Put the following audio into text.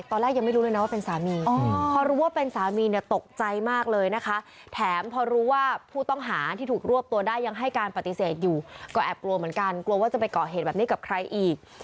ตอนแรกยังไม่รู้เลยนะว่าเป็นสามี